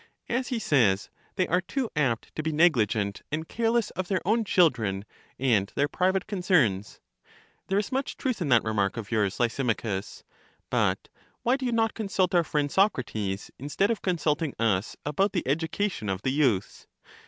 As he says, they are too apt to be negligent and careless of their own chil dren and their private concerns. There is much truth in that remark of yours, Lysimachus. But why do you not consult our friend Socrates, instead of con sulting us, about the education of the youths?